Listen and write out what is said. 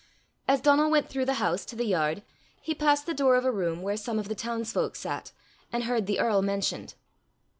As Donal went through the house to the yard, he passed the door of a room where some of the townsfolk sat, and heard the earl mentioned.